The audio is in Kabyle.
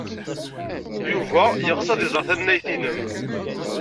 Yuba yeɣs ad iẓer tannayt-nnem.